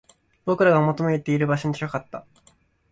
僕らが求めている場所に近かった